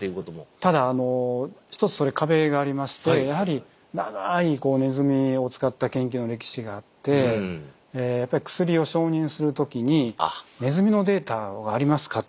ただ一つそれ壁がありましてやはり長いネズミを使った研究の歴史があってやっぱり薬を承認する時に「ネズミのデータはありますか？」と。